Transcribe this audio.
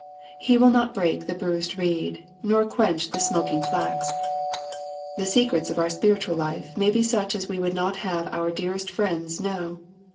He will not break the bruised reed, nor quench the smoking flax. The secrets of our spiritual life may be such as we would not have^our dearest friends know.